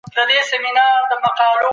دغه رنګه د روښانیانو فرهنګي کارونه هم.